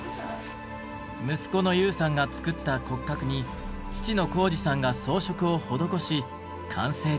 息子の悠さんが作った骨格に父の浩司さんが装飾を施し完成です。